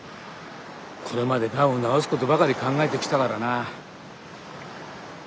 これまでがんを治すことばかり考えてきたからな。